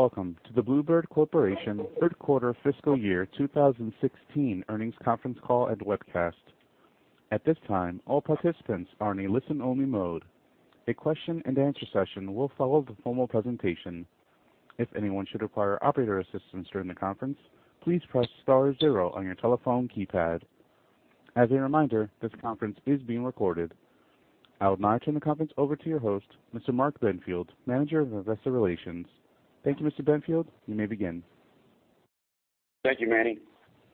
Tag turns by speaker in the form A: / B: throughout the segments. A: Welcome to the Blue Bird Corporation third quarter fiscal year 2016 earnings conference call and webcast. At this time, all participants are in a listen-only mode. A question and answer session will follow the formal presentation. If anyone should require operator assistance during the conference, please press star zero on your telephone keypad. As a reminder, this conference is being recorded. I will now turn the conference over to your host, Mr. Mark Benfield, Manager of Investor Relations. Thank you, Mr. Benfield. You may begin.
B: Thank you, Manny.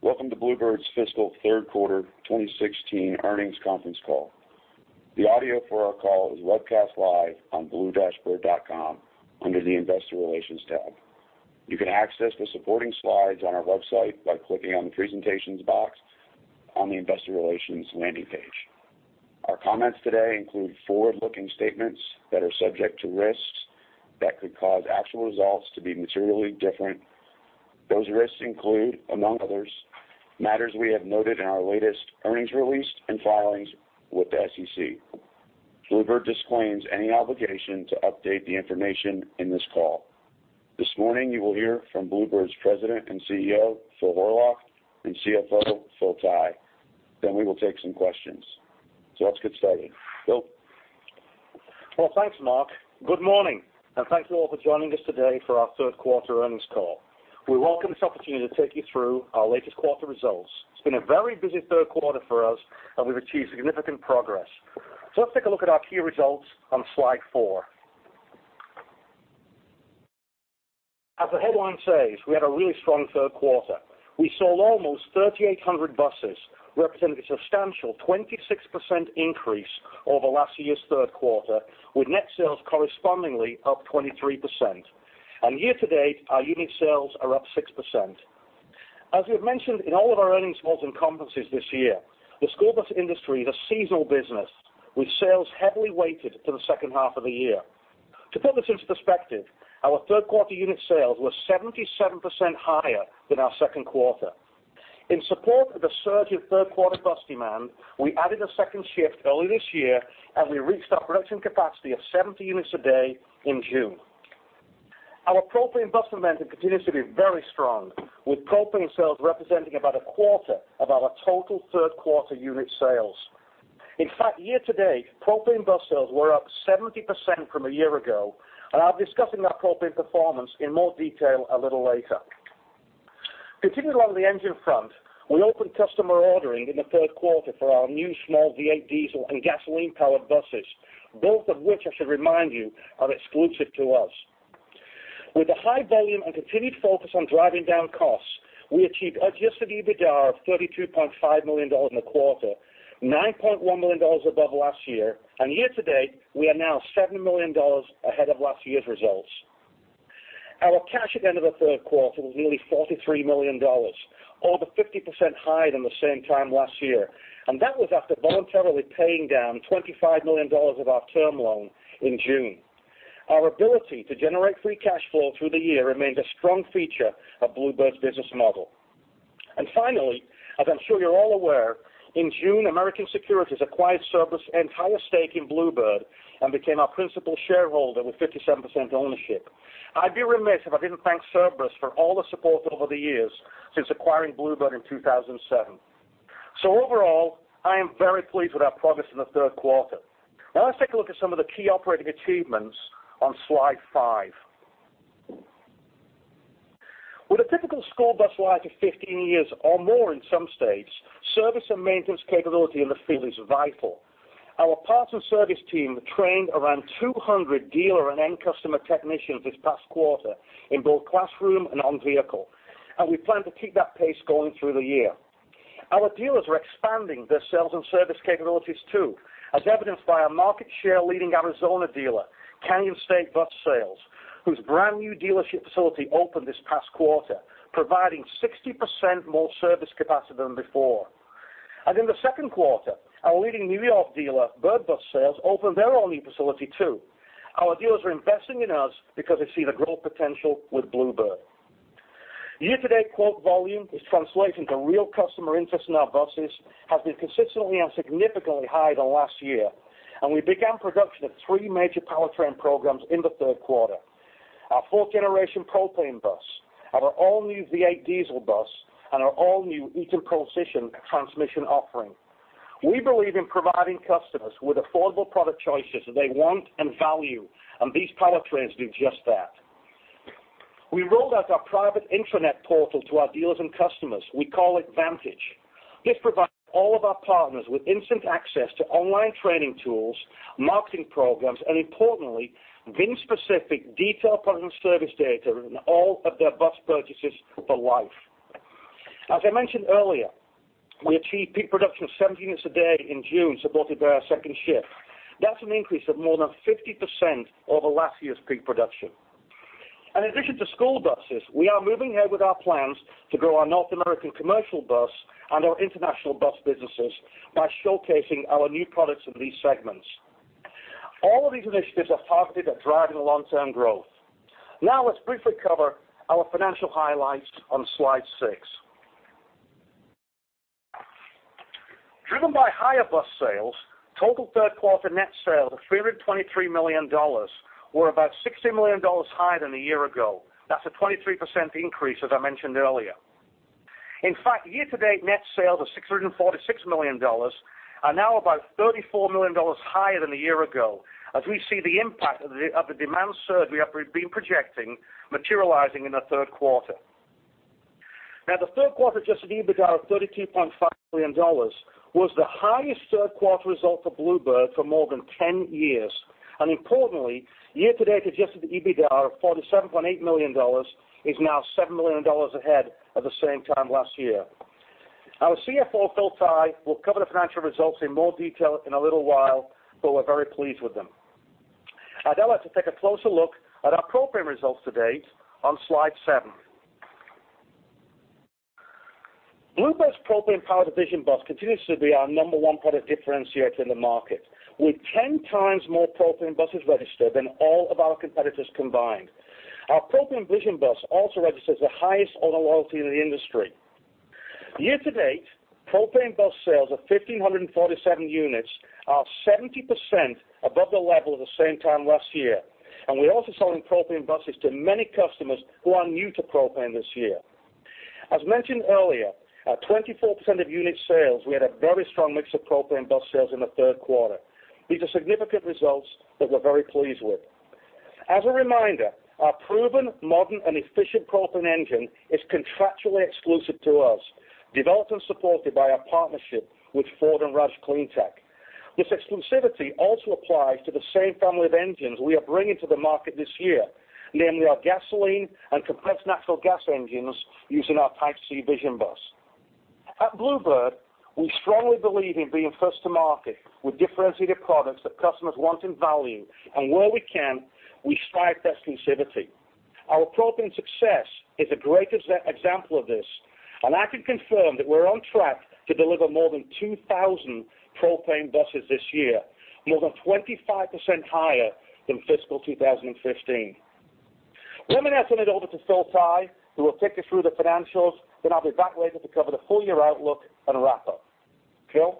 B: Welcome to Blue Bird's fiscal third quarter 2016 earnings conference call. The audio for our call is webcast live on blue-bird.com under the Investor Relations tab. You can access the supporting slides on our website by clicking on the Presentations box on the Investor Relations landing page. Our comments today include forward-looking statements that are subject to risks that could cause actual results to be materially different. Those risks include, among others, matters we have noted in our latest earnings release and filings with the SEC. Blue Bird disclaims any obligation to update the information in this call. This morning, you will hear from Blue Bird's President and CEO, Phil Horlock, and CFO, Phil Tighe. We will take some questions. Let's get started. Phil?
C: Thanks, Mark. Good morning, and thanks to you all for joining us today for our third quarter earnings call. We welcome this opportunity to take you through our latest quarter results. It's been a very busy third quarter for us, and we've achieved significant progress. Let's take a look at our key results on slide four. As the headline says, we had a really strong third quarter. We sold almost 3,800 buses, representing a substantial 26% increase over last year's third quarter, with net sales correspondingly up 23%. Year-to-date, our unit sales are up 6%. As we've mentioned in all of our earnings calls and conferences this year, the school bus industry is a seasonal business, with sales heavily weighted to the second half of the year. To put this into perspective, our third quarter unit sales were 77% higher than our second quarter. In support of the surge in third quarter bus demand, we added a second shift early this year, and we reached our production capacity of 70 units a day in June. Our propane bus momentum continues to be very strong, with propane sales representing about a quarter of our total third quarter unit sales. In fact, year-to-date, propane bus sales were up 70% from a year ago, and I'll be discussing that propane performance in more detail a little later. Continuing on to the engine front, we opened customer ordering in the third quarter for our new small V8 diesel and gasoline-powered buses, both of which I should remind you are exclusive to us. With the high volume and continued focus on driving down costs, we achieved adjusted EBITDA of $32.5 million in the quarter, $9.1 million above last year, and year-to-date, we are now $7 million ahead of last year's results. Our cash at the end of the third quarter was nearly $43 million, over 50% higher than the same time last year, and that was after voluntarily paying down $25 million of our term loan in June. Our ability to generate free cash flow through the year remains a strong feature of Blue Bird's business model. Finally, as I'm sure you're all aware, in June, American Securities acquired Cerberus' entire stake in Blue Bird and became our principal shareholder with 57% ownership. I'd be remiss if I didn't thank Cerberus for all the support over the years since acquiring Blue Bird in 2007. Overall, I am very pleased with our progress in the third quarter. Now let's take a look at some of the key operating achievements on slide five. With a typical school bus life of 15 years or more in some states, service and maintenance capability in the field is vital. Our parts and service team trained around 200 dealer and end customer technicians this past quarter in both classroom and on vehicle, and we plan to keep that pace going through the year. Our dealers are expanding their sales and service capabilities, too, as evidenced by our market share leading Arizona dealer, Canyon State Bus Sales, whose brand-new dealership facility opened this past quarter, providing 60% more service capacity than before. In the second quarter, our leading New York dealer, Bird Bus Sales, opened their only facility, too. Our dealers are investing in us because they see the growth potential with Blue Bird. Year-to-date quote volume is translating to real customer interest in our buses, has been consistently and significantly higher than last year, and we began production of three major powertrain programs in the third quarter. Our fourth generation propane bus, our all-new V8 diesel bus, and our all-new Eaton Procision transmission offering. We believe in providing customers with affordable product choices they want and value, and these powertrains do just that. We rolled out our private intranet portal to our dealers and customers. We call it Vantage. This provides all of our partners with instant access to online training tools, marketing programs, and importantly, VIN-specific detailed parts and service data on all of their bus purchases for life. As I mentioned earlier, we achieved peak production of 70 units a day in June, supported by our second shift. That's an increase of more than 50% over last year's peak production. In addition to school buses, we are moving ahead with our plans to grow our North American commercial bus and our international bus businesses by showcasing our new products in these segments. All of these initiatives are targeted at driving long-term growth. Now let's briefly cover our financial highlights on slide six. Driven by higher bus sales, total third quarter net sales of $323 million were about $60 million higher than a year ago. That's a 23% increase, as I mentioned earlier. In fact, year-to-date net sales of $646 million are now about $34 million higher than a year ago, as we see the impact of the demand surge we have been projecting materializing in the third quarter. The third quarter adjusted EBITDA of $32.5 million was the highest third quarter result for Blue Bird for more than 10 years. Importantly, year-to-date adjusted EBITDA of $47.8 million is now $7 million ahead of the same time last year. Our CFO, Phil Tighe, will cover the financial results in more detail in a little while, but we are very pleased with them. I would now like to take a closer look at our propane results to date on slide seven. Blue Bird's propane-powered Vision bus continues to be our number one product differentiator in the market. With 10 times more propane buses registered than all of our competitors combined. Our propane Vision bus also registers the highest owner loyalty in the industry. Year-to-date, propane bus sales of 1,547 units are 70% above the level of the same time last year. We are also selling propane buses to many customers who are new to propane this year. As mentioned earlier, at 24% of unit sales, we had a very strong mix of propane bus sales in the third quarter. These are significant results that we are very pleased with. As a reminder, our proven modern and efficient propane engine is contractually exclusive to us, developed and supported by our partnership with Ford and ROUSH CleanTech. This exclusivity also applies to the same family of engines we are bringing to the market this year, namely our gasoline and compressed natural gas engines using our Type C Vision bus. At Blue Bird, we strongly believe in being first to market with differentiated products that customers want and value, and where we can, we strive for exclusivity. Our propane success is a great example of this. I can confirm that we are on track to deliver more than 2,000 propane buses this year, more than 25% higher than fiscal 2015. Let me now turn it over to Phil Tighe, who will take you through the financials. I will be back later to cover the full-year outlook and wrap up. Phil?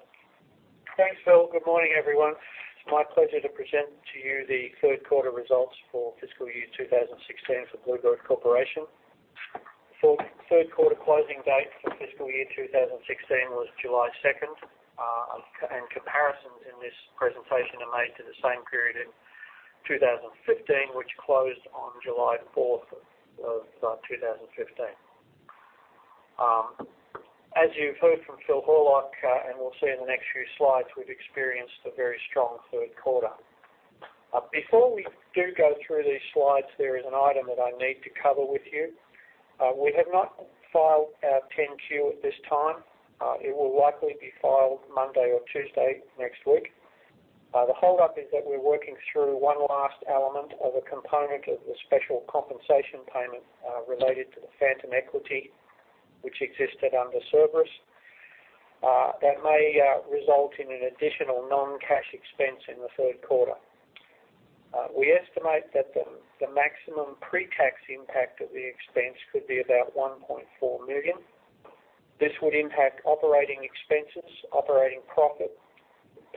D: Thanks, Phil. Good morning, everyone. It is my pleasure to present to you the third quarter results for fiscal year 2016 for Blue Bird Corporation. Third quarter closing date for fiscal year 2016 was July 2nd. Comparisons in this presentation are made to the same period in 2015, which closed on July 4th, 2015. As you have heard from Phil Horlock, we will see in the next few slides, we have experienced a very strong third quarter. Before we do go through these slides, there is an item that I need to cover with you. We have not filed our 10-Q at this time. It will likely be filed Monday or Tuesday next week. The hold-up is that we are working through one last element of a component of the special compensation payment related to the phantom equity, which existed under Cerberus. That may result in an additional non-cash expense in the third quarter. We estimate that the maximum pre-tax impact of the expense could be about $1.4 million. This would impact operating expenses, operating profit,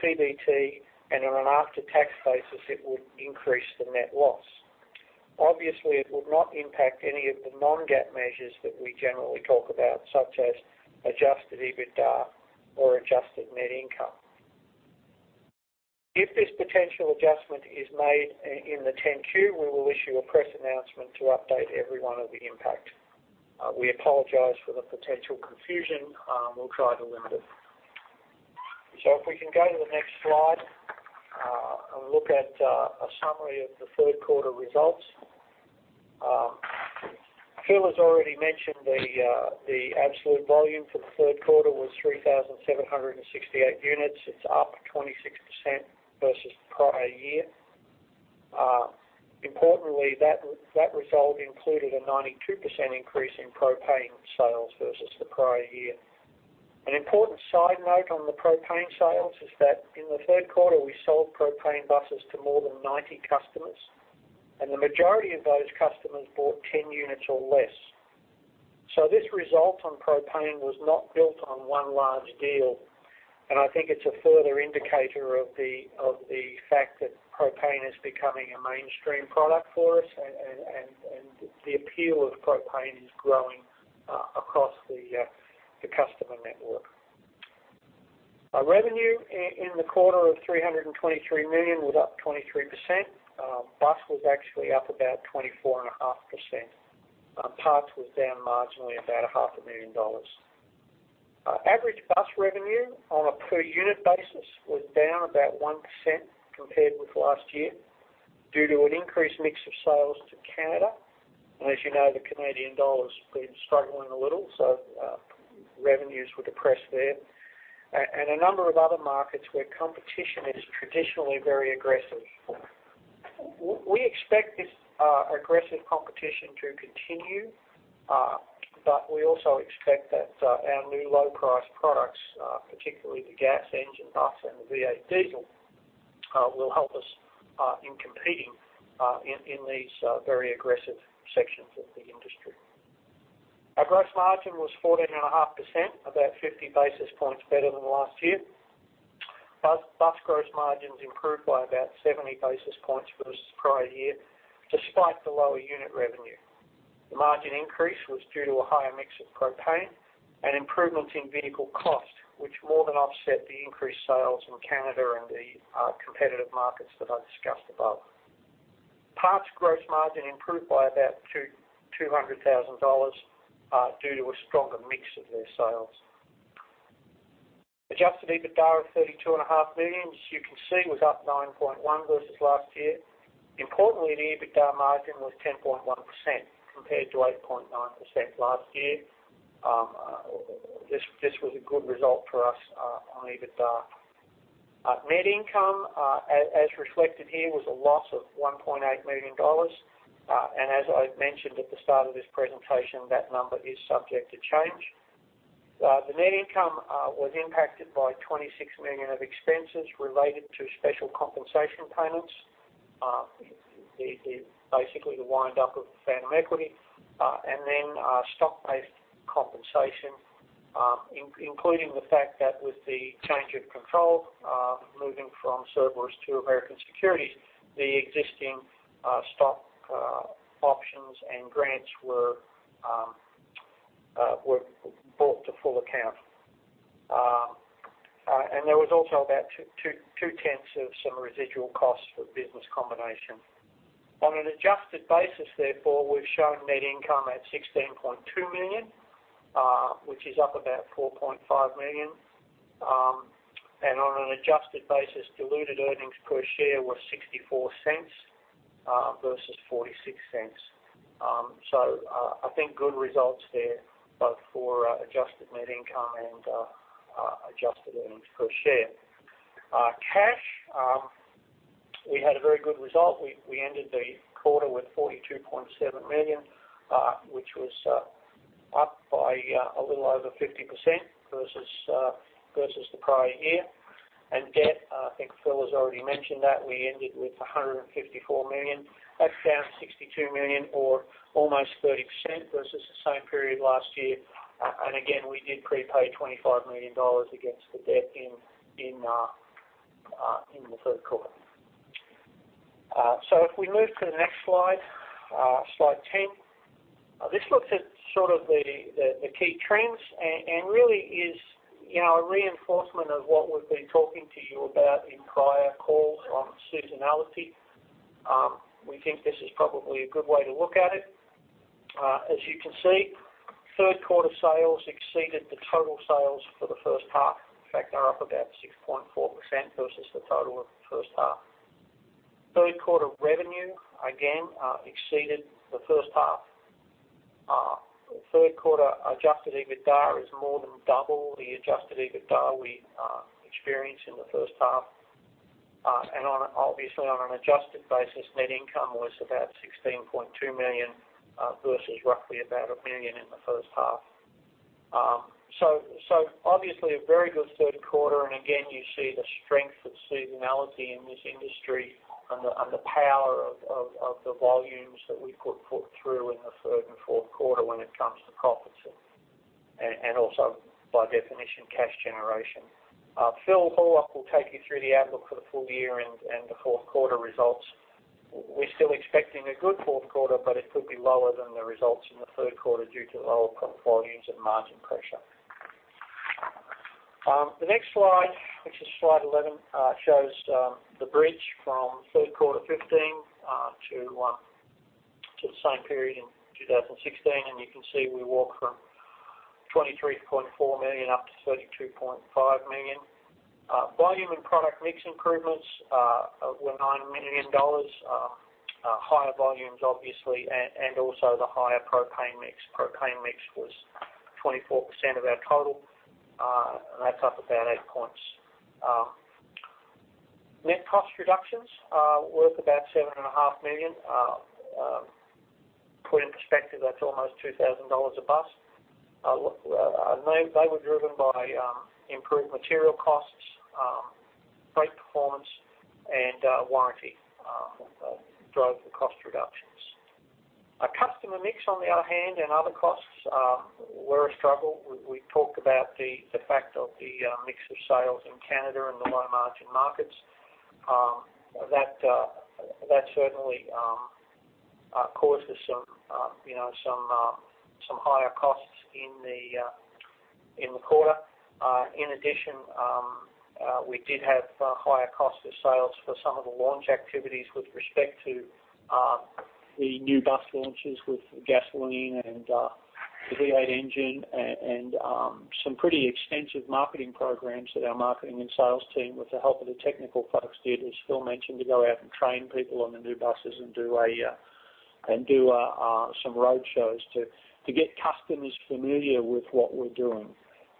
D: PBT, and on an after-tax basis, it would increase the net loss. Obviously, it would not impact any of the non-GAAP measures that we generally talk about, such as adjusted EBITDA or adjusted net income. If this potential adjustment is made in the 10-Q, we will issue a press announcement to update everyone of the impact. We apologize for the potential confusion. We'll try to limit it. If we can go to the next slide and look at a summary of the third quarter results. Phil has already mentioned the absolute volume for the third quarter was 3,768 units. It's up 26% versus the prior year. Importantly, that result included a 92% increase in propane sales versus the prior year. An important side note on the propane sales is that in the third quarter, we sold propane buses to more than 90 customers, and the majority of those customers bought 10 units or less. This result on propane was not built on one large deal, and I think it's a further indicator of the fact that propane is becoming a mainstream product for us and the appeal of propane is growing across the customer network. Our revenue in the quarter of $323 million was up 23%. Bus was actually up about 24.5%. Parts was down marginally, about a half a million dollars. Average bus revenue on a per unit basis was down about 1% compared with last year due to an increased mix of sales to Canada. As you know, the Canadian dollar's been struggling a little, revenues were depressed there. A number of other markets where competition is traditionally very aggressive. We expect this aggressive competition to continue, but we also expect that our new low-price products, particularly the gas engine bus and the V8 diesel, will help us in competing in these very aggressive sections of the industry. Our gross margin was 14.5%, about 50 basis points better than last year. Bus gross margins improved by about 70 basis points versus prior year, despite the lower unit revenue. The margin increase was due to a higher mix of propane and improvements in vehicle cost, which more than offset the increased sales in Canada and the competitive markets that I discussed above. Parts gross margin improved by about $200,000 due to a stronger mix of their sales. Adjusted EBITDA of $32.5 million, as you can see, was up $9.1 million versus last year. Importantly, the EBITDA margin was 10.1% compared to 8.9% last year. This was a good result for us on EBITDA. Net income, as reflected here, was a loss of $1.8 million. As I mentioned at the start of this presentation, that number is subject to change. The net income was impacted by $26 million of expenses related to special compensation payments. Basically, the wind up of phantom equity, and then stock-based compensation including the fact that with the change of control, moving from Cerberus to American Securities, the existing stock options and grants were brought to full account. There was also about two-tenths of some residual costs for business combination. On an adjusted basis, therefore, we've shown net income at $16.2 million, which is up about $4.5 million. On an adjusted basis, diluted earnings per share were $0.64 versus $0.46. I think good results there both for adjusted net income and adjusted earnings per share. Cash, we had a very good result. We ended the quarter with $42.7 million, which was up by a little over 50% versus the prior year. Debt, I think Phil has already mentioned that we ended with $154 million. That's down $62 million or almost 30% versus the same period last year. Again, we did prepay $25 million against the debt in the third quarter. If we move to the next slide 10. This looks at sort of the key trends and really is a reinforcement of what we've been talking to you about in prior calls on seasonality. We think this is probably a good way to look at it. As you can see, third quarter sales exceeded the total sales for the first half. In fact, they're up about 6.4% versus the total of the first half. Third quarter revenue, again, exceeded the first half. Third quarter adjusted EBITDA is more than double the adjusted EBITDA we experienced in the first half. Obviously on an adjusted basis, net income was about $16.2 million versus roughly about $1 million in the first half. Obviously a very good third quarter, again, you see the strength of seasonality in this industry and the power of the volumes that we put through in the third and fourth quarter when it comes to profits and also by definition, cash generation. Phil Horlock will take you through the outlook for the full year and the fourth quarter results. We're still expecting a good fourth quarter, but it could be lower than the results in the third quarter due to lower volumes and margin pressure. The next slide, which is slide 11, shows the bridge from third quarter 2015 to the same period in 2016. You can see we walk from $23.4 million up to $32.5 million. Volume and product mix improvements were $9 million. Higher volumes obviously, and also the higher propane mix. Propane mix was 24% of our total, and that's up about 8 points. Net cost reductions worth about seven and a half million. Put in perspective, that's almost $2,000 a bus. They were driven by improved material costs, great performance, and warranty drove the cost reductions. Our customer mix, on the other hand, and other costs were a struggle. We talked about the fact of the mix of sales in Canada and the low-margin markets. That certainly caused us some higher costs in the quarter. In addition, we did have higher cost of sales for some of the launch activities with respect to the new bus launches with gasoline and the V8 engine and some pretty extensive marketing programs that our marketing and sales team, with the help of the technical folks did, as Phil mentioned, to go out and train people on the new buses and do some road shows to get customers familiar with what we're doing.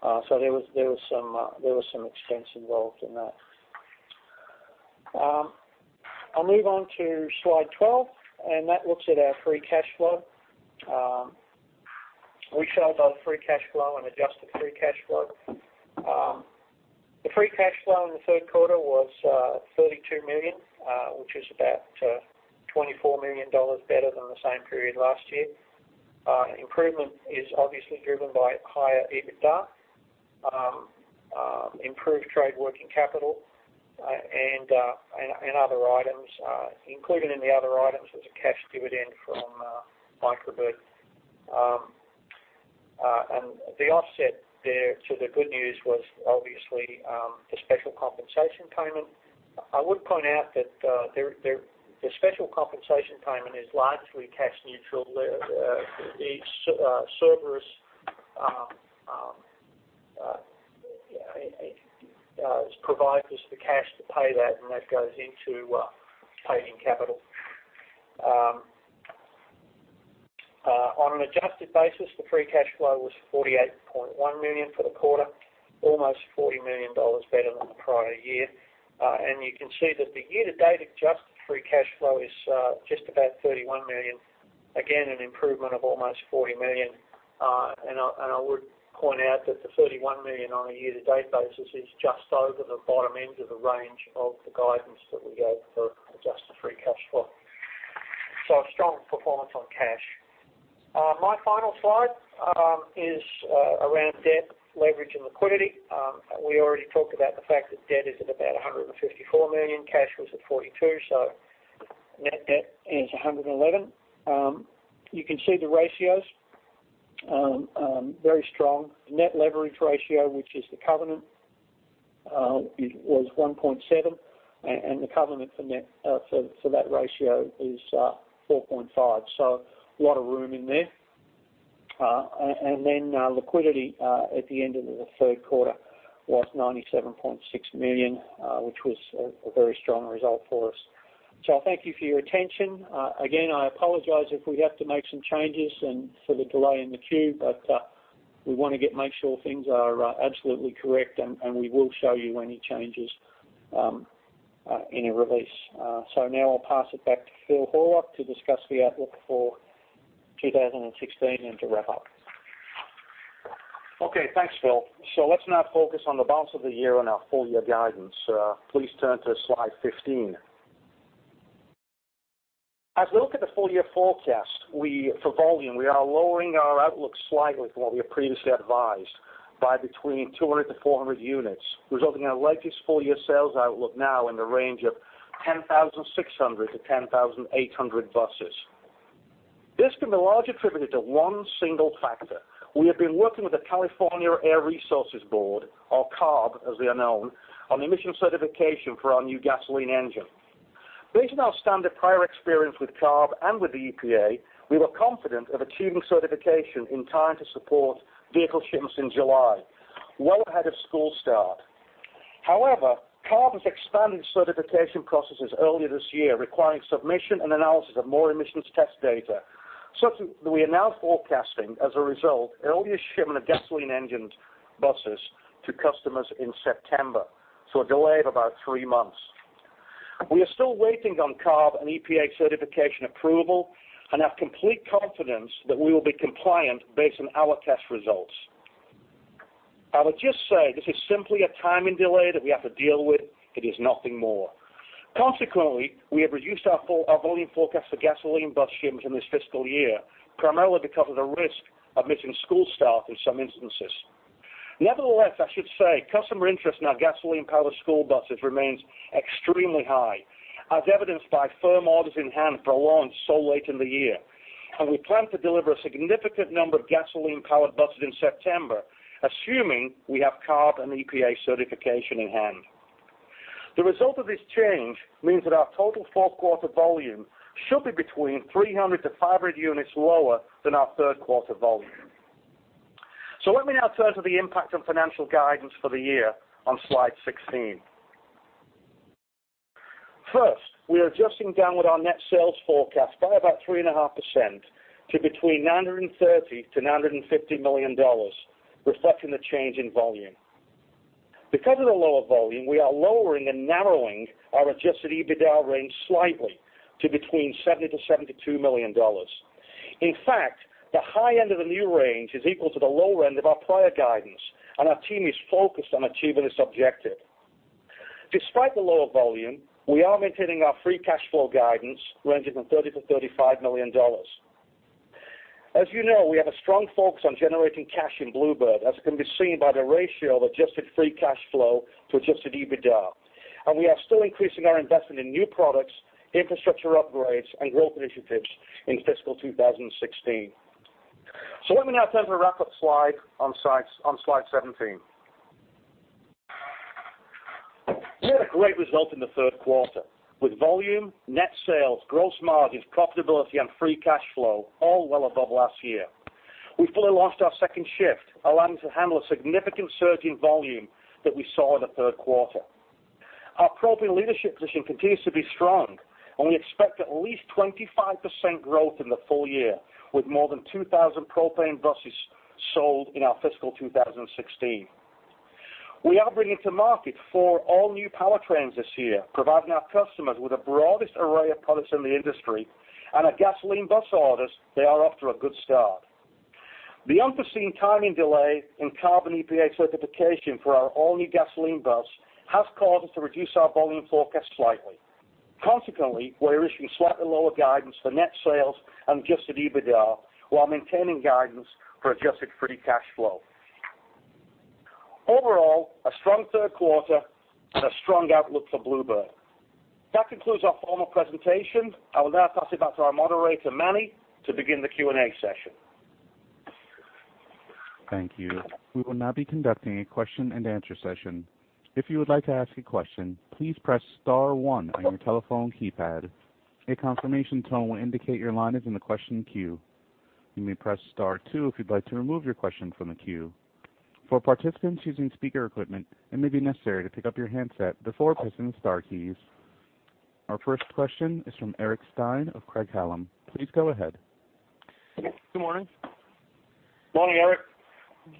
D: There was some expense involved in that. I'll move on to slide 12, and that looks at our free cash flow. We show both free cash flow and adjusted free cash flow. The free cash flow in the third quarter was $32 million, which is about $24 million better than the same period last year. Improvement is obviously driven by higher EBITDA, improved trade working capital, and other items. Included in the other items was a cash dividend from Micro Bird. The offset there to the good news was obviously the special compensation payment. I would point out that the special compensation payment is largely cash neutral. Cerberus provides us the cash to pay that, and that goes into paying capital. On an adjusted basis, the free cash flow was $48.1 million for the quarter, almost $40 million better than the prior year. You can see that the year-to-date adjusted free cash flow is just about $31 million. Again, an improvement of almost $40 million. I would point out that the $31 million on a year-to-date basis is just over the bottom end of the range of the guidance that we gave for adjusted free cash flow. A strong performance on cash. My final slide is around debt leverage and liquidity. We already talked about the fact that debt is at about $154 million. Cash was at $42, so net debt is $111. You can see the ratios. Very strong. Net leverage ratio, which is the covenant, was 1.7 and the covenant for that ratio is 4.5, a lot of room in there. Liquidity at the end of the third quarter was $97.6 million which was a very strong result for us. I thank you for your attention. Again, I apologize if we have to make some changes and for the delay in the queue, but we want to make sure things are absolutely correct, and we will show you any changes in a release. I'll pass it back to Phil Horlock to discuss the outlook for 2016 and to wrap up.
C: Okay. Thanks, Phil. Let's now focus on the balance of the year and our full-year guidance. Please turn to slide 15. As we look at the full year forecast for volume, we are lowering our outlook slightly from what we had previously advised, by between 200 to 400 units, resulting in our latest full-year sales outlook now in the range of 10,600 to 10,800 buses. This can be largely attributed to one single factor. We have been working with the California Air Resources Board, or CARB as they are known, on emissions certification for our new gasoline engine. Based on our standard prior experience with CARB and with the EPA, we were confident of achieving certification in time to support vehicle shipments in July, well ahead of school start. CARB has expanded certification processes earlier this year requiring submission and analysis of more emissions test data, such that we are now forecasting, as a result, earliest shipment of gasoline engine buses to customers in September. A delay of about three months. We are still waiting on CARB and EPA certification approval and have complete confidence that we will be compliant based on our test results. I would just say this is simply a timing delay that we have to deal with. It is nothing more. We have reduced our volume forecast for gasoline bus shipments in this fiscal year, primarily because of the risk of missing school start in some instances. I should say, customer interest in our gasoline-powered school buses remains extremely high, as evidenced by firm orders in hand for a launch so late in the year. We plan to deliver a significant number of gasoline-powered buses in September, assuming we have CARB and EPA certification in hand. The result of this change means that our total fourth quarter volume should be between 300-500 units lower than our third quarter volume. Let me now turn to the impact on financial guidance for the year on slide 16. First, we are adjusting downward our net sales forecast by about 3.5% to between $930 million-$950 million, reflecting the change in volume. Of the lower volume, we are lowering and narrowing our adjusted EBITDA range slightly to between $70 million-$72 million. In fact, the high end of the new range is equal to the low end of our prior guidance, and our team is focused on achieving this objective. Despite the lower volume, we are maintaining our free cash flow guidance ranging from $30 million-$35 million. As you know, we have a strong focus on generating cash in Blue Bird, as can be seen by the ratio of adjusted free cash flow to adjusted EBITDA, we are still increasing our investment in new products, infrastructure upgrades, and growth initiatives in fiscal 2016. Let me now turn to the wrap-up slide on slide 17. We had a great result in the third quarter with volume, net sales, gross margins, profitability, and free cash flow all well above last year. We fully launched our second shift, allowing us to handle a significant surge in volume that we saw in the third quarter. Our propane leadership position continues to be strong, we expect at least 25% growth in the full year with more than 2,000 propane buses sold in our fiscal 2016. We are bringing to market four all-new powertrains this year, providing our customers with the broadest array of products in the industry. Our gasoline bus orders, they are off to a good start. The unforeseen timing delay in CARB and EPA certification for our all-new gasoline bus has caused us to reduce our volume forecast slightly. We're issuing slightly lower guidance for net sales and adjusted EBITDA while maintaining guidance for adjusted free cash flow. Overall, a strong third quarter and a strong outlook for Blue Bird. That concludes our formal presentation. I will now pass it back to our moderator, Manny, to begin the Q&A session.
A: Thank you. We will now be conducting a question-and-answer session. If you would like to ask a question, please press star one on your telephone keypad. A confirmation tone will indicate your line is in the question queue. You may press star two if you'd like to remove your question from the queue. For participants using speaker equipment, it may be necessary to pick up your handset before pressing the star keys. Our first question is from Eric Stine of Craig-Hallum. Please go ahead.
E: Good morning.
C: Morning, Eric.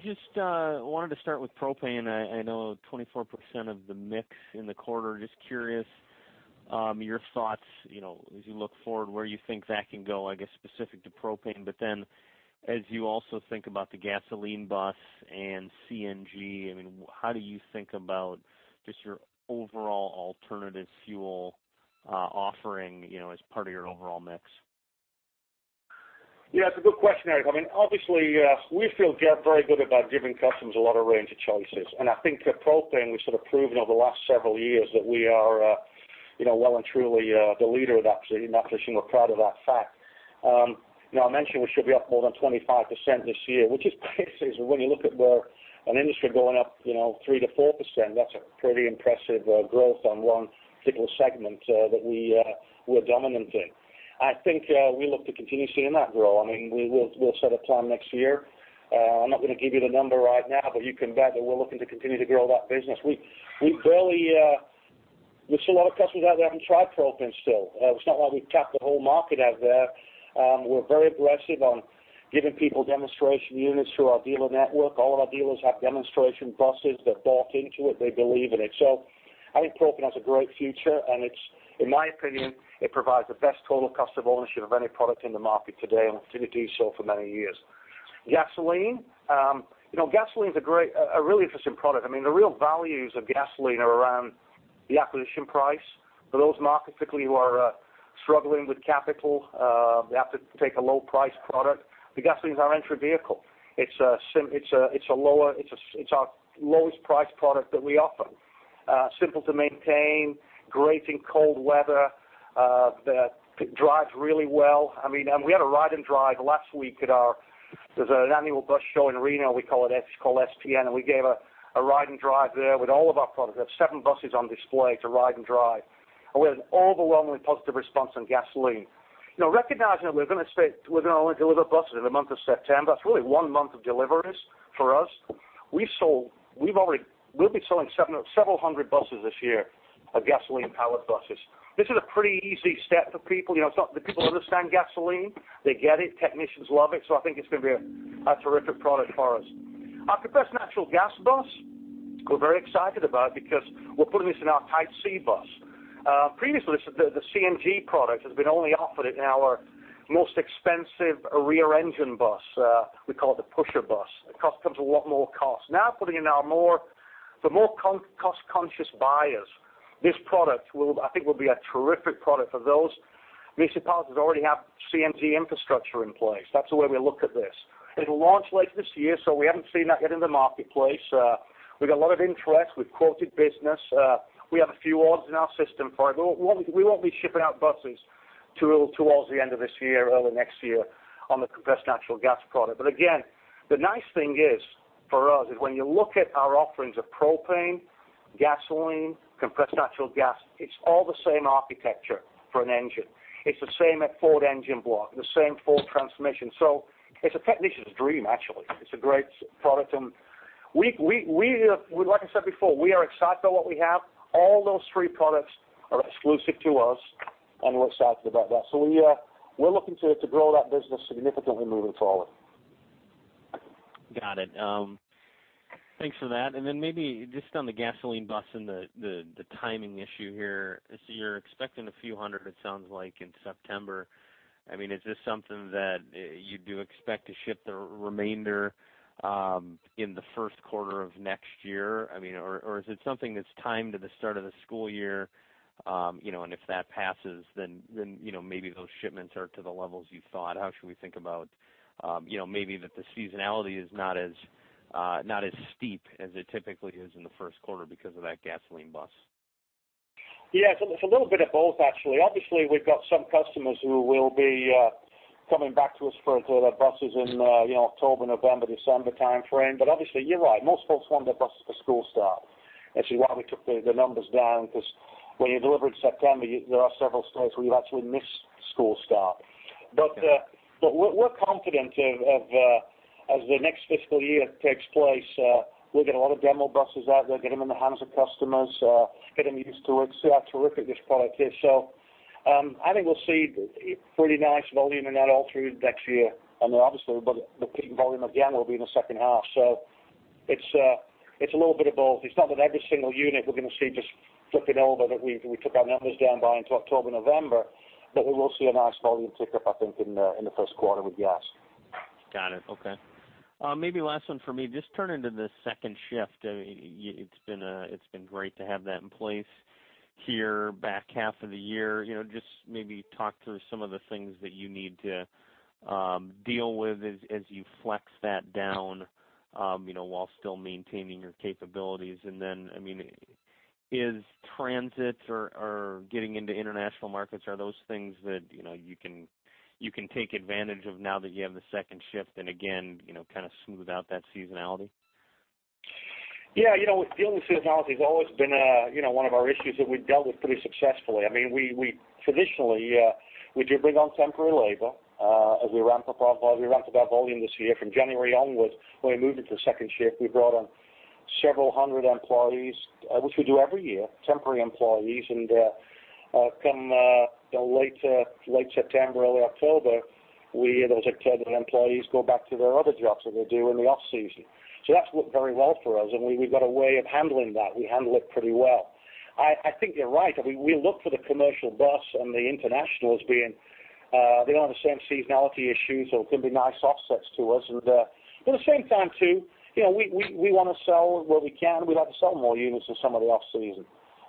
E: Just wanted to start with propane. I know 24% of the mix in the quarter. Just curious your thoughts, as you look forward, where you think that can go, I guess, specific to propane, but then as you also think about the gasoline bus and CNG, how do you think about just your overall alternative fuel offering as part of your overall mix?
C: Yeah, it's a good question, Eric. Obviously, we feel very good about giving customers a lot of range of choices. I think the propane we've sort of proven over the last several years that we are well and truly the leader of that position. We're proud of that fact. I mentioned we should be up more than 25% this year, which is crazy when you look at an industry going up 3%-4%, that's a pretty impressive growth on one particular segment that we're dominant in. I think we look to continue seeing that grow. We'll set a plan next year. I'm not going to give you the number right now. You can bet that we're looking to continue to grow that business. There's a lot of customers out there who haven't tried propane still. It's not like we've tapped the whole market out there. We're very aggressive on giving people demonstration units through our dealer network. All of our dealers have demonstration buses. They're bought into it. They believe in it. I think propane has a great future, and in my opinion, it provides the best total cost of ownership of any product in the market today and will continue to do so for many years. Gasoline's a really interesting product. The real values of gasoline are around the acquisition price. For those markets particularly who are struggling with capital, they have to take a low-price product. Gasoline's our entry vehicle. It's our lowest price product that we offer. Simple to maintain, great in cold weather, drives really well. We had a ride and drive last week. There's an annual bus show in Reno, we call STN, and we gave a ride and drive there with all of our products. We have seven buses on display to ride and drive. We had an overwhelmingly positive response on gasoline. Now, recognizing that we're going to only deliver buses in the month of September, it's really one month of deliveries for us. We'll be selling several hundred buses this year of gasoline-powered buses. This is a pretty easy step for people. People understand gasoline. They get it. Technicians love it. I think it's going to be a terrific product for us. Our compressed natural gas bus we're very excited about because we're putting this in our Type C bus. Previously, the CNG product has been only offered in our most expensive rear-engine bus. We call it the pusher bus. It comes with a lot more cost. Now putting in our more for more cost-conscious buyers, this product I think will be a terrific product for those municipalities that already have CNG infrastructure in place. That's the way we look at this. It'll launch later this year, so we haven't seen that yet in the marketplace. We've got a lot of interest. We've quoted business. We have a few orders in our system for it. We won't be shipping out buses towards the end of this year, early next year on the compressed natural gas product. Again, the nice thing is for us is when you look at our offerings of propane, gasoline, compressed natural gas, it's all the same architecture for an engine. It's the same Ford engine block, the same Ford transmission. It's a technician's dream, actually. It's a great product. Like I said before, we are excited by what we have. All those three products are exclusive to us. We're excited about that. We're looking to grow that business significantly moving forward.
E: Got it. Thanks for that. Then maybe just on the gasoline bus and the timing issue here. You're expecting a few hundred, it sounds like in September. Is this something that you do expect to ship the remainder in the first quarter of next year? Is it something that's timed to the start of the school year? If that passes, then maybe those shipments are to the levels you thought. How should we think about maybe that the seasonality is not as steep as it typically is in the first quarter because of that gasoline bus?
C: Yeah. It's a little bit of both, actually. Obviously, we've got some customers who will be coming back to us for their buses in October, November, December timeframe. Obviously, you're right. Most folks want their buses for school start. That's why we took the numbers down because when you deliver in September, there are several states where you actually miss school start. We're confident as the next fiscal year takes place, we'll get a lot of demo buses out there, get them in the hands of customers, get them used to it, see how terrific this product is. I think we'll see pretty nice volume in that all through next year. Obviously, the peak volume again will be in the second half. It's a little bit of both. It's not that every single unit we're going to see just flipping over that we took our numbers down by into October, November. We will see a nice volume tick up, I think, in the first quarter with gas.
E: Got it. Okay. Maybe last one for me. Just turning to the second shift. It's been great to have that in place here back half of the year. Just maybe talk through some of the things that you need to deal with as you flex that down while still maintaining your capabilities. Is transits or getting into international markets, are those things that you can take advantage of now that you have the second shift and again, kind of smooth out that seasonality?
C: Yeah. Dealing with seasonality has always been one of our issues that we've dealt with pretty successfully. Traditionally, we do bring on temporary labor as we ramp up our volume this year. From January onwards, when we moved into second shift, we brought on several hundred employees, which we do every year, temporary employees. Come late September, early October, those employees go back to their other jobs that they do in the off-season. That's worked very well for us, and we've got a way of handling that. We handle it pretty well. I think you're right. We look for the commercial bus and the internationals being, they don't have the same seasonality issues, so it can be nice offsets to us. At the same time, too, we want to sell where we can. We'd like to sell more units in some of the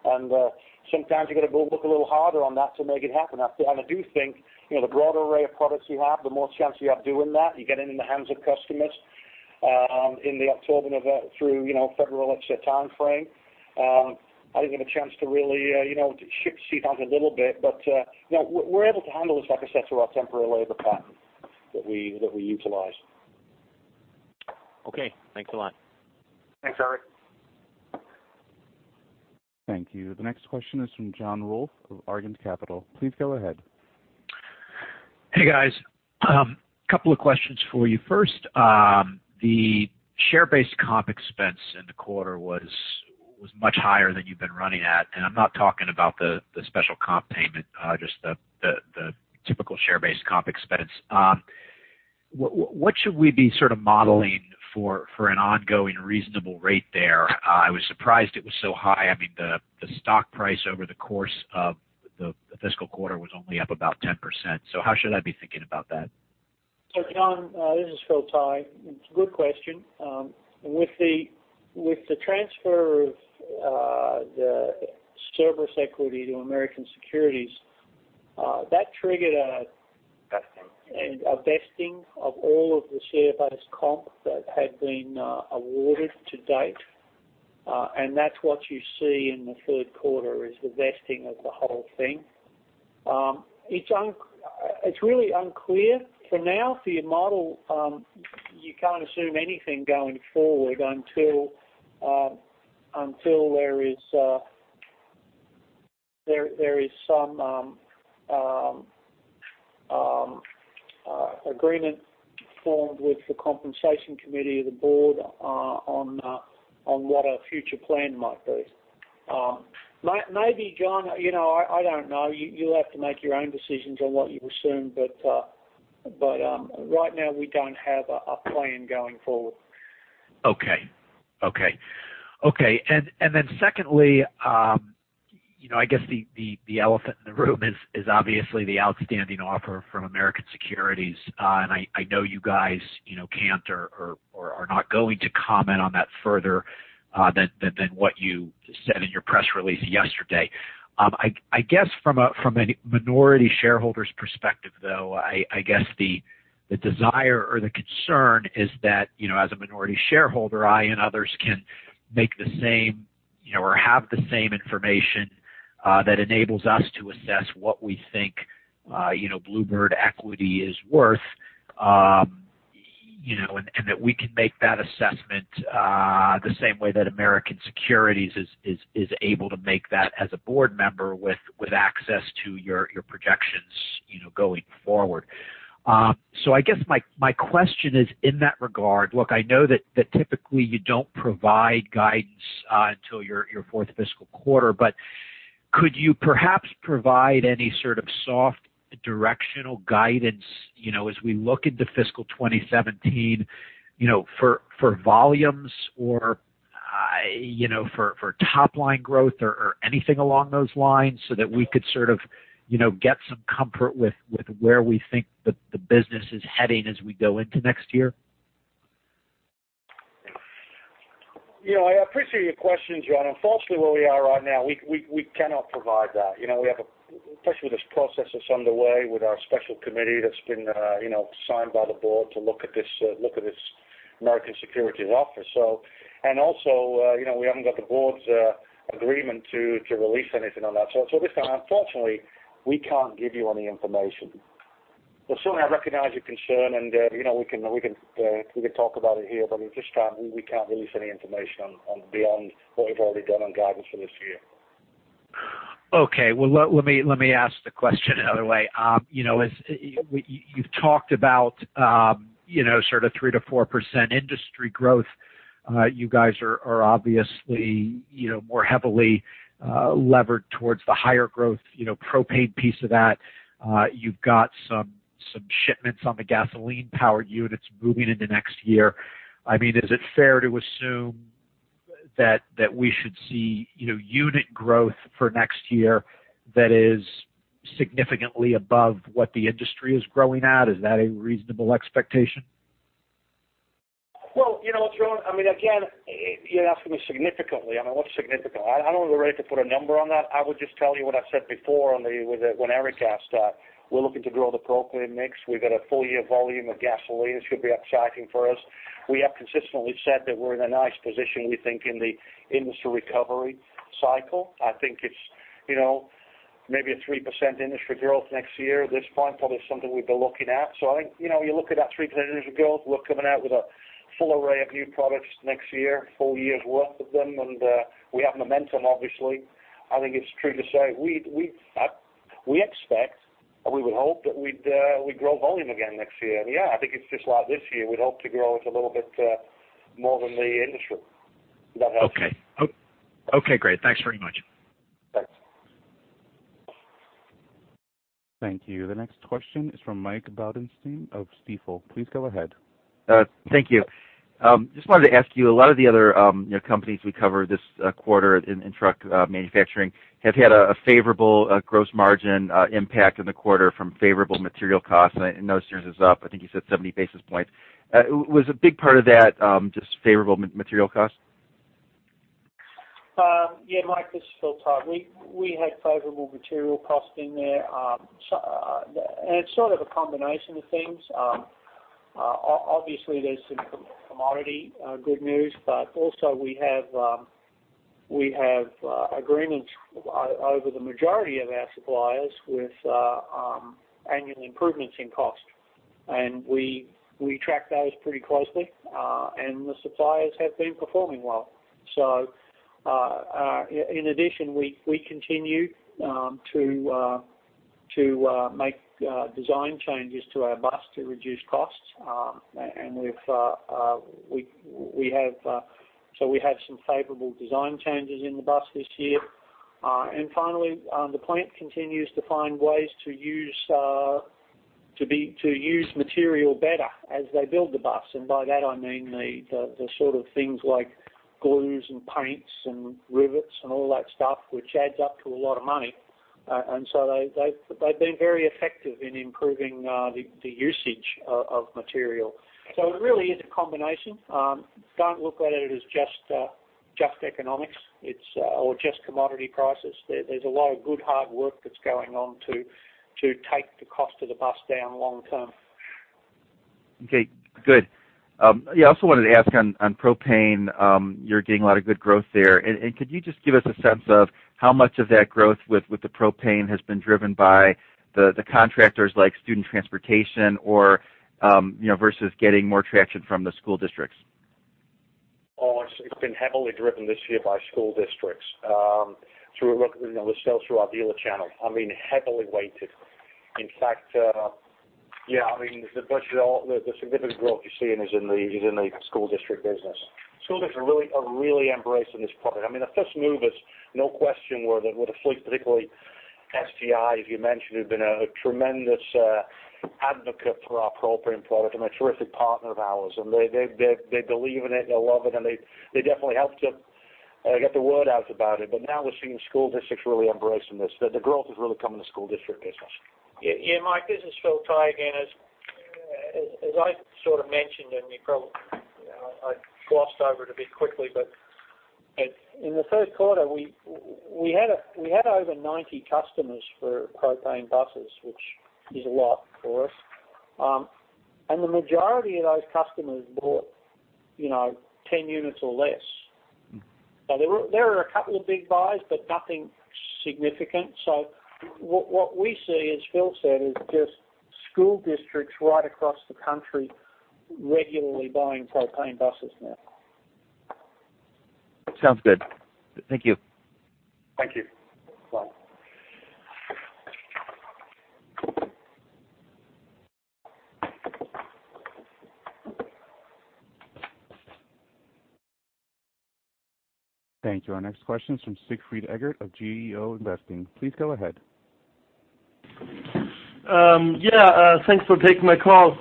C: off-season. Sometimes you got to go work a little harder on that to make it happen. I do think, the broader array of products you have, the more chance you have of doing that. You get it in the hands of customers in the October through February-let's say timeframe. I think we have a chance to really shift seasonality a little bit, but we're able to handle this, like I said, through our temporary labor pattern that we utilize.
E: Okay. Thanks a lot.
C: Thanks, Eric.
A: Thank you. The next question is from John Rolfe of Argand Capital. Please go ahead.
F: Hey, guys. Couple of questions for you. First, the share-based comp expense in the quarter was much higher than you've been running at. I'm not talking about the special comp payment, just the typical share-based comp expense. What should we be sort of modeling for an ongoing reasonable rate there? I was surprised it was so high. The stock price over the course of the fiscal quarter was only up about 10%. How should I be thinking about that?
D: John, this is Phil Tighe. It's a good question. With the transfer of the Cerberus equity to American Securities, that triggered.
F: Vesting
D: a vesting of all of the share-based comp that had been awarded to date. That's what you see in the third quarter, is the vesting of the whole thing. It's really unclear. For now, for your model, you can't assume anything going forward until there is some agreement formed with the compensation committee of the board on what our future plan might be. Maybe John, I don't know. You'll have to make your own decisions on what you assume. Right now, we don't have a plan going forward.
F: Okay. Secondly, I guess the elephant in the room is obviously the outstanding offer from American Securities. I know you guys can't or are not going to comment on that further than what you said in your press release yesterday. I guess from a minority shareholder's perspective, though, I guess the desire or the concern is that, as a minority shareholder, I and others can make the same or have the same information that enables us to assess what we think Blue Bird equity is worth. That we can make that assessment the same way that American Securities is able to make that as a board member with access to your projections going forward. I guess my question is in that regard. Look, I know that typically you don't provide guidance until your fourth fiscal quarter, could you perhaps provide any sort of soft directional guidance as we look into fiscal 2017 for volumes or for top-line growth or anything along those lines so that we could sort of get some comfort with where we think the business is heading as we go into next year?
C: I appreciate your questions, John. Unfortunately, where we are right now, we cannot provide that. Especially with this process that's underway with our special committee that's been signed by the board to look at this American Securities offer. We haven't got the board's agreement to release anything on that. At this time, unfortunately, we can't give you any information. Certainly I recognize your concern, and we can talk about it here, but we just can't release any information beyond what we've already done on guidance for this year.
F: Okay. Well, let me ask the question another way. You've talked about sort of 3%-4% industry growth. You guys are obviously more heavily levered towards the higher growth propane piece of that. You've got some shipments on the gasoline-powered units moving into next year. Is it fair to assume that we should see unit growth for next year that is significantly above what the industry is growing at? Is that a reasonable expectation?
C: Well, John, again, you're asking me significantly. What's significant? I don't know that we're ready to put a number on that. I would just tell you what I said before when Eric asked. We're looking to grow the propane mix. We've got a full year volume of gasoline should be up cycling for us. We have consistently said that we're in a nice position, we think, in the industry recovery cycle. I think it's maybe a 3% industry growth next year at this point, probably something we'd be looking at. I think, you look at that 3% industry growth. We're coming out with a full array of new products next year, four years' worth of them. We have momentum, obviously. I think it's true to say, we expect, or we would hope that we'd grow volume again next year. Yeah, I think it's just like this year. We'd hope to grow it a little bit more than the industry. Does that help?
F: Okay. Great. Thanks very much.
C: Thanks.
A: Thank you. The next question is from Mike Baudendistel of Stifel. Please go ahead.
G: Thank you. Just wanted to ask you, a lot of the other companies we cover this quarter in truck manufacturing have had a favorable gross margin impact in the quarter from favorable material costs, yours is up, I think you said 70 basis points. Was a big part of that just favorable material costs?
D: Yeah, Mike, this is Phil Tighe. We had favorable material costs in there. It's sort of a combination of things. Obviously, there's some commodity good news, but also we have agreements over the majority of our suppliers with annual improvements in cost. We track those pretty closely, and the suppliers have been performing well. In addition, we continue to make design changes to our bus to reduce costs. We have some favorable design changes in the bus this year. Finally, the plant continues to find ways to use material better as they build the bus, and by that I mean the sort of things like glues and paints and rivets and all that stuff, which adds up to a lot of money. They've been very effective in improving the usage of material. It really is a combination. Don't look at it as just economics or just commodity prices. There's a lot of good hard work that's going on to take the cost of the bus down long term.
G: Okay, good. I also wanted to ask on propane, you're getting a lot of good growth there. Could you just give us a sense of how much of that growth with the propane has been driven by the contractors like Student Transportation versus getting more traction from the school districts?
C: It's been heavily driven this year by school districts. We're looking at the sales through our dealer channel. Heavily weighted. In fact, the significant growth you're seeing is in the school district business. School districts are really embracing this product. The first movers, no question, were the fleet, particularly STI, as you mentioned, who've been a tremendous advocate for our propane product and a terrific partner of ours. They believe in it, they love it, and they definitely helped to get the word out about it. Now we're seeing school districts really embracing this. The growth is really coming to school district business.
D: Yeah, Mike, this is Phil Tighe again. As I sort of mentioned, and I glossed over it a bit quickly, but in the third quarter, we had over 90 customers for propane buses, which is a lot for us. The majority of those customers bought 10 units or less. There are a couple of big buys, but nothing significant. What we see, as Phil said, is just school districts right across the country regularly buying propane buses now.
G: Sounds good. Thank you.
C: Thank you. Bye.
A: Thank you. Our next question is from Siegfried Eggert of GeoInvesting. Please go ahead.
H: Yeah. Thanks for taking my call.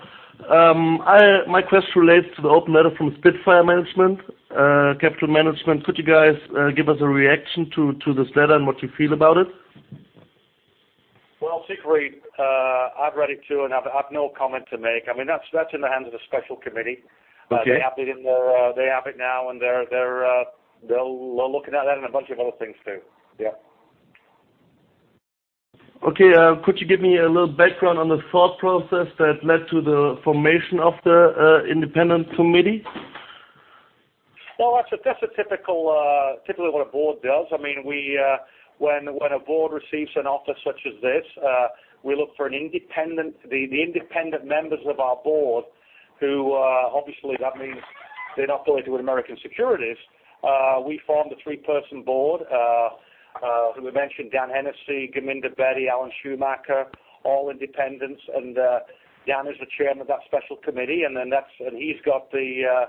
H: My question relates to the open letter from Spitfire Capital LLC. Could you guys give us a reaction to this letter and what you feel about it?
C: Well, Siegfried, I've read it too, and I've no comment to make. That's in the hands of the special committee.
H: Okay.
C: They have it now, they'll look at that and a bunch of other things, too. Yeah.
H: Okay. Could you give me a little background on the thought process that led to the formation of the independent committee?
C: Well, that's typically what a board does. When a board receives an offer such as this, we look for the independent members of our board, who obviously that means they're not affiliated with American Securities. We formed a three-person board, who we mentioned, Dan Hennessey, Gurminder Bedi, Alan Schumacher, all independents, Dan is the Chairman of that special committee, he's got the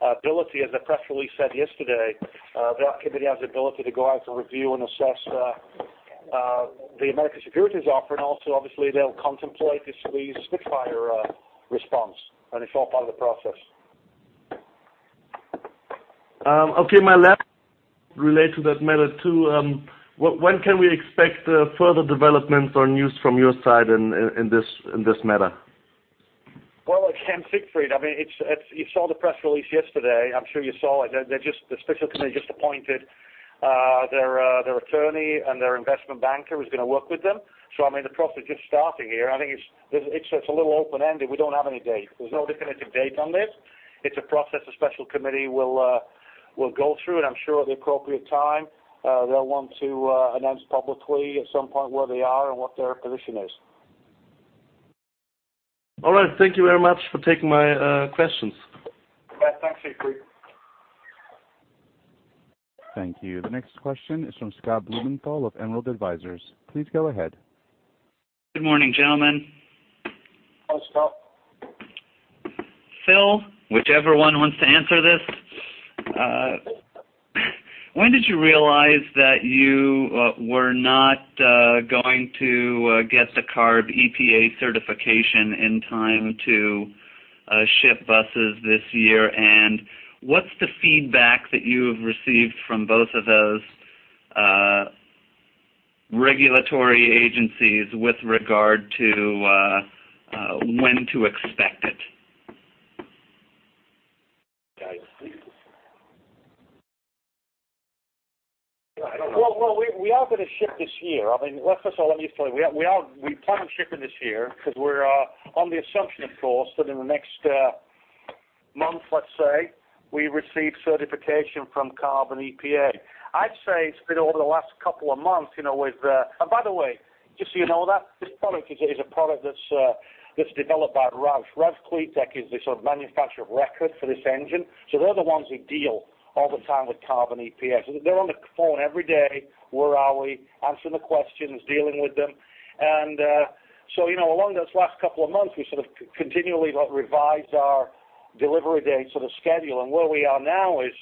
C: ability, as the press release said yesterday, the committee has the ability to go out to review and assess the American Securities offer, also obviously they'll contemplate the squeeze Spitfire response, it's all part of the process.
H: Okay. My last relates to that matter, too. When can we expect further developments or news from your side in this matter?
C: Well, look, Siegfried, you saw the press release yesterday. I'm sure you saw it. The special committee just appointed their attorney, and their investment banker who's going to work with them. The process is just starting here. I think it's a little open-ended. We don't have any date. There's no definitive date on this. It's a process the special committee will go through, and I'm sure at the appropriate time, they'll want to announce publicly at some point where they are and what their position is.
H: All right. Thank you very much for taking my questions.
C: Yeah. Thanks, Siegfried.
A: Thank you. The next question is from Scott Blumenthal of Emerald Advisers. Please go ahead.
I: Good morning, gentlemen.
C: Hi, Scott.
I: Phil, whichever one wants to answer this, when did you realize that you were not going to get the CARB EPA certification in time to ship buses this year? What's the feedback that you have received from both of those regulatory agencies with regard to when to expect it?
C: Guys. Well, we are going to ship this year. First of all, let me explain. We plan on shipping this year because we're on the assumption, of course, that in the next month, let's say, we receive certification from CARB and EPA. I'd say it's been over the last couple of months with-- by the way, just so you know, that this product is a product that's developed by ROUSH. ROUSH CleanTech is the manufacturer of record for this engine. They're the ones who deal all the time with CARB and EPA. They're on the phone every day. Where are we? Answering the questions, dealing with them. Along those last couple of months, we sort of continually revised our delivery date schedule. Where we are now is,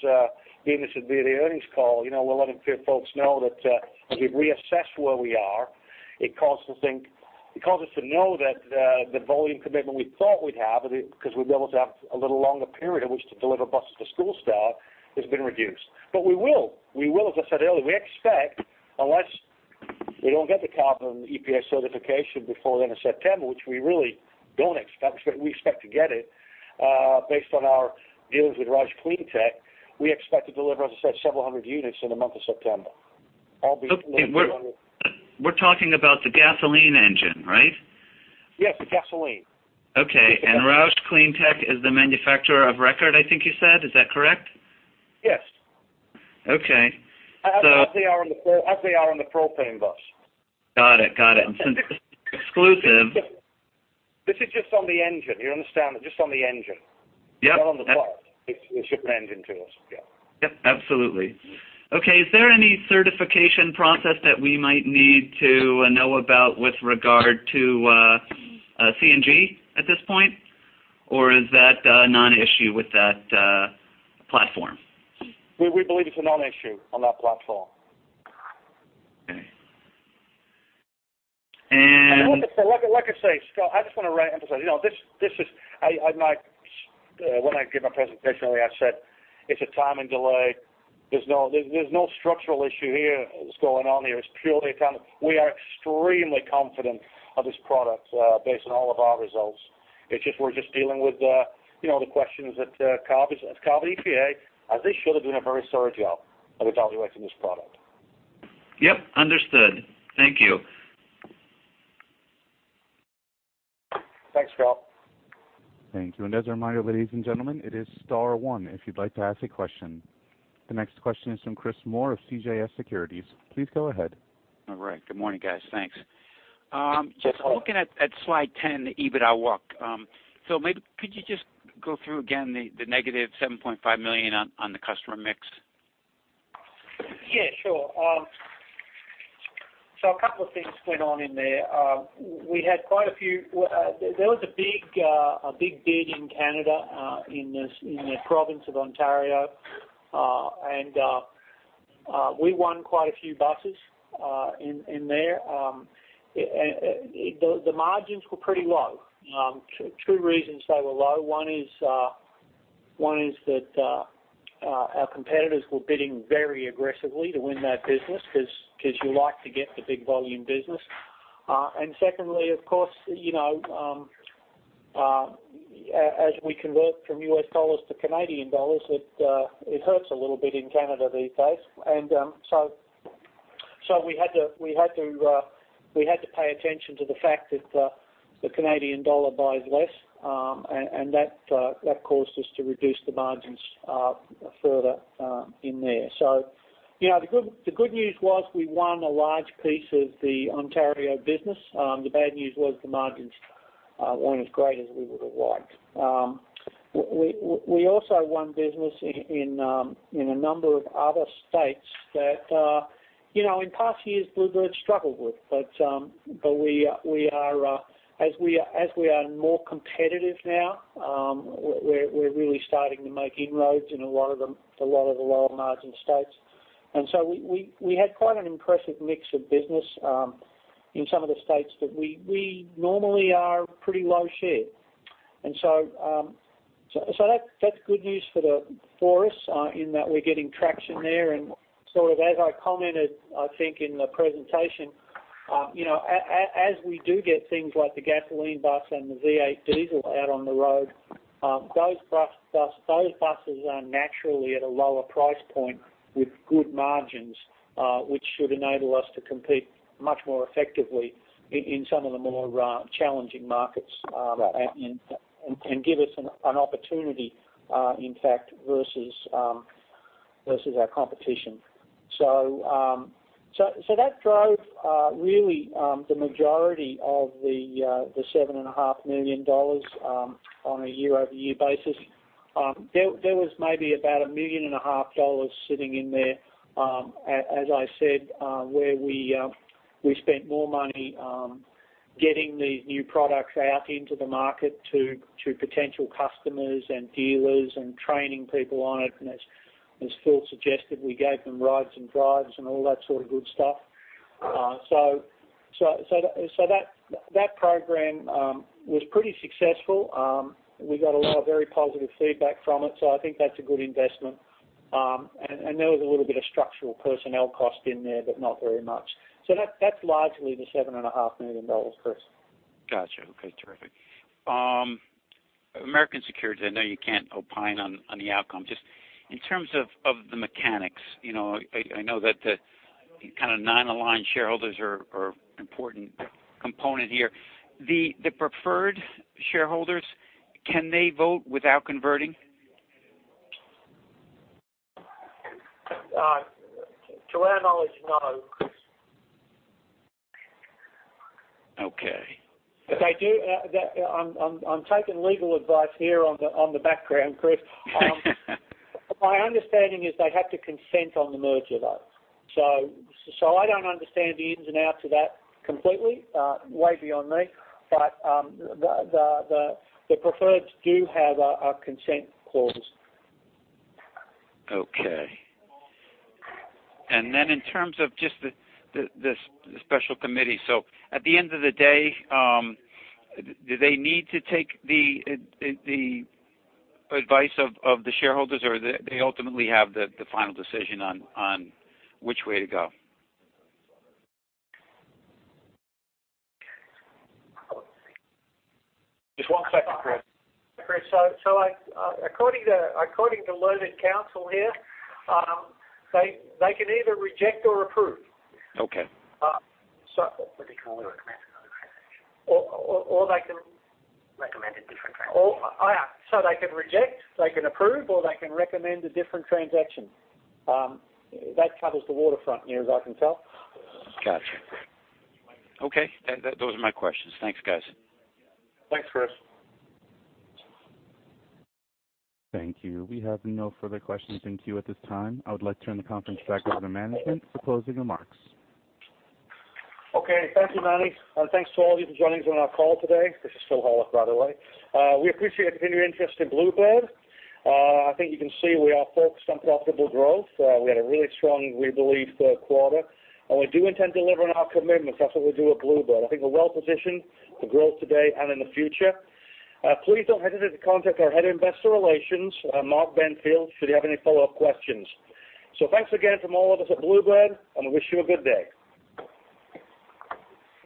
C: being this would be the earnings call, we're letting folks know that as we've reassessed where we are, it caused us to know that the volume commitment we thought we'd have, because we'd be able to have a little longer period in which to deliver buses to School Star, has been reduced. We will. We will, as I said earlier, we expect, unless we don't get the CARB and EPA certification before the end of September, which we really don't expect. We expect to get it, based on our dealings with ROUSH CleanTech. We expect to deliver, as I said, several hundred units in the month of September.
I: Okay. We're talking about the gasoline engine, right?
C: Yes, the gasoline.
I: Okay. ROUSH CleanTech is the manufacturer of record, I think you said. Is that correct?
C: Yes.
I: Okay.
C: As they are on the propane bus.
I: Got it.
C: This is just on the engine. You understand that? Just on the engine.
I: Yep.
C: Not on the bus. They ship an engine to us. Yeah.
I: Yep, absolutely. Okay, is there any certification process that we might need to know about with regard to CNG at this point? Or is that a non-issue with that platform?
C: We believe it's a non-issue on that platform.
I: Okay.
C: Like I say, Scott, I just want to re-emphasize. When I gave my presentation earlier, I said it's a timing delay. There's no structural issue here that's going on here. We are extremely confident of this product, based on all of our results. We're just dealing with the questions at CARB and EPA, as they should, are doing a very thorough job of evaluating this product.
I: Yep, understood. Thank you.
C: Thanks, Scott.
A: Thank you. As a reminder, ladies and gentlemen, it is star one if you'd like to ask a question. The next question is from Chris Moore of CJS Securities. Please go ahead.
J: All right. Good morning, guys. Thanks.
C: Chris, how are you?
J: Just looking at slide 10, the EBITDA walk. Phil, maybe could you just go through again the negative $7.5 million on the customer mix?
D: A couple of things went on in there. There was a big bid in Canada, in the province of Ontario. We won quite a few buses in there. The margins were pretty low. Two reasons they were low. One is that our competitors were bidding very aggressively to win that business because you like to get the big volume business. Secondly, of course, as we convert from US dollars to Canadian dollars, it hurts a little bit in Canada these days. We had to pay attention to the fact that the Canadian dollar buys less, and that caused us to reduce the margins further in there. The good news was we won a large piece of the Ontario business. The bad news was the margins weren't as great as we would have liked. We also won business in a number of other states that in past years, Blue Bird struggled with, but as we are more competitive now, we are really starting to make inroads in a lot of the lower margin states. And so we had quite an impressive mix of business in some of the states that we normally are pretty low share. And so that is good news for us in that we are getting traction there and sort of as I commented, I think, in the presentation, as we do get things like the gasoline bus and the V8 diesel out on the road, those buses are naturally at a lower price point with good margins, which should enable us to compete much more effectively in some of the more challenging markets
J: Right
D: and give us an opportunity, in fact, versus our competition. That drove really the majority of the $7.5 million on a year-over-year basis. There was maybe about $1.5 million sitting in there, as I said, where we spent more money getting these new products out into the market to potential customers and dealers and training people on it. And as Phil suggested, we gave them rides and drives and all that sort of good stuff. That program was pretty successful. We got a lot of very positive feedback from it, so I think that is a good investment. And there was a little bit of structural personnel cost in there, but not very much. That is largely the $7.5 million, Chris.
J: Got you. Okay, terrific. American Securities, I know you can't opine on the outcome, just in terms of the mechanics, I know that the kind of non-aligned shareholders are important component here. The preferred shareholders, can they vote without converting?
D: To our knowledge, no, Chris.
J: Okay.
D: If they do, I'm taking legal advice here on the background, Chris. My understanding is they have to consent on the merger, though. I don't understand the ins and outs of that completely, way beyond me, but the preferred do have a consent clause.
J: Okay. In terms of just the special committee, at the end of the day, do they need to take the advice of the shareholders, or they ultimately have the final decision on which way to go?
D: Just one second, Chris. Chris, according to learned council here, they can either reject or approve.
J: Okay.
D: So-
C: They can only recommend another transaction.
D: Or they can-
C: Recommend a different transaction.
D: Oh, yeah. They can reject, they can approve, or they can recommend a different transaction. That covers the waterfront near as I can tell.
J: Got you. Okay, those are my questions. Thanks, guys.
D: Thanks, Chris.
A: Thank you. We have no further questions in queue at this time. I would like to turn the conference back over to management for closing remarks.
C: Okay. Thank you, Manny. Thanks to all of you for joining us on our call today. This is Phil Horlock, by the way. We appreciate your continued interest in Blue Bird. I think you can see we are focused on profitable growth. We had a really strong, we believe, third quarter, and we do intend to deliver on our commitments. That's what we do at Blue Bird. I think we're well-positioned for growth today and in the future. Please don't hesitate to contact our Head of Investor Relations, Mark Benfield, should you have any follow-up questions. Thanks again from all of us at Blue Bird, and we wish you a good day.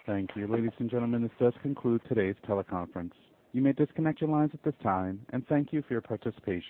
A: Thank you. Ladies and gentlemen, this does conclude today's teleconference. You may disconnect your lines at this time, and thank you for your participation.